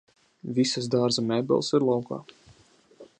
Visas dārza mēbeles ir laukā